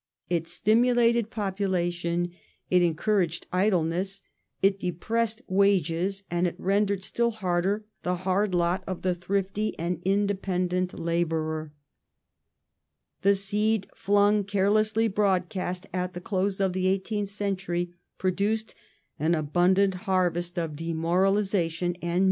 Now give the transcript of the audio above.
It stimulated population ; it encouraged idleness ; it depressed wages, and it rendered still harder the hard lot of the thrifty and independent labourer. The seed flung carelessly broadcast at the close of the eighteenth cfentury produced an abundant harvest of demoralization and misery in the second and third decades of the nineteenth.